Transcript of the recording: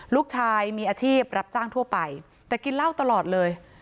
ลูกชายมีอาชีพรับจ้างทั่วไปแต่กินเหล้าตลอดเลย